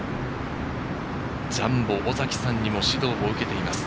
ジャンボ尾崎さんにも指導を受けています。